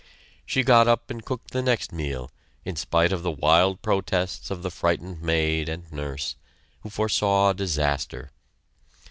She got up and cooked the next meal, in spite of the wild protests of the frightened maid and nurse, who foresaw disaster.